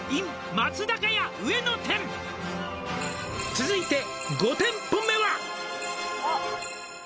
「続いて５店舗目は」